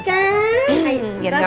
biar gak besen ya